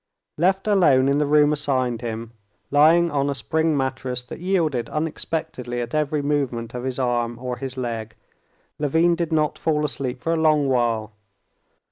Left alone in the room assigned him, lying on a spring mattress that yielded unexpectedly at every movement of his arm or his leg, Levin did not fall asleep for a long while.